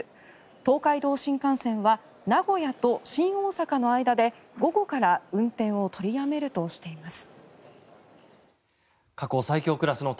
東海道新幹線は名古屋と新大阪の間で午後から運転を取りやめるとしています。